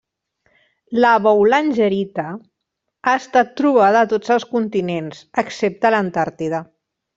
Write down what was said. La boulangerita ha estat trobada a tots els continents, excepte l'Antàrtida.